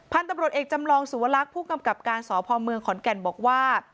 พันธุ์ตำรวจเอกจำลองสุวรรคผู้กำกับการสพเมืองขอนแก่นบอกว่า